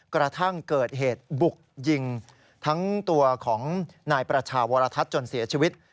กระทั่งเกิดเหตุบุกยิงทั้งตัวของนายประชาวรทัศน์จนเสียชีวิต